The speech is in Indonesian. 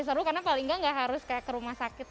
seru karena paling nggak harus kayak ke rumah sakit